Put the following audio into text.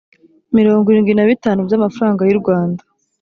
mirongo irindwi na bitanu by amafaranga y u rwanda